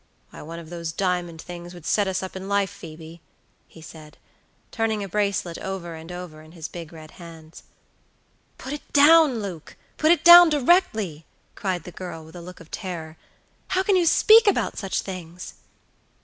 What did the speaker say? "Why, one of those diamond things would set us up in life, Phoebe, he said, turning a bracelet over and over in his big red hands. "Put it down, Luke! Put it down directly!" cried the girl, with a look of terror; "how can you speak about such things?"